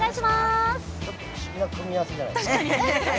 不思議な組み合わせじゃないですか。